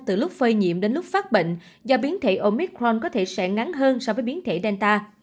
từ lúc phơi nhiễm đến lúc phát bệnh do biến thể omicron có thể sẽ ngắn hơn so với biến thể danta